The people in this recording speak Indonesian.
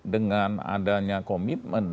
dengan adanya komitmen